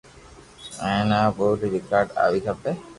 ھين آ ٻولي رآڪارذ ۔ آوي کپي